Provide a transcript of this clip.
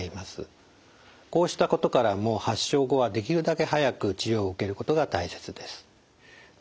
こうしたことからも発症後はできるだけ早く治療を受けることが大切です。